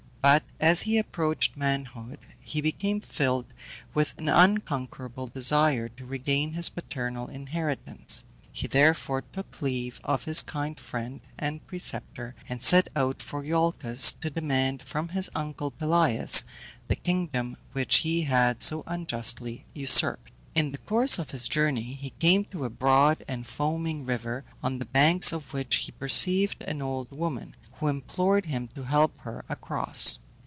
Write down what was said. But as he approached manhood he became filled with an unconquerable desire to regain his paternal inheritance. He therefore took leave of his kind friend and preceptor, and set out for Iolcus to demand from his uncle Pelias the kingdom which he had so unjustly usurped. In the course of his journey he came to a broad and foaming river, on the banks of which he perceived an old woman, who implored him to help her across.